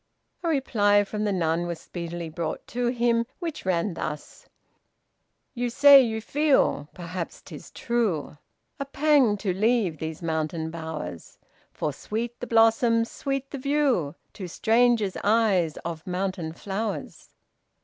A reply from the nun was speedily brought to him, which ran thus: "You say you feel, perhaps 'tis true, A pang to leave these mountain bowers, For sweet the blossoms, sweet the view, To strangers' eyes of mountain flowers."